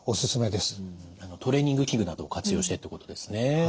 トレーニング器具などを活用してってことですね。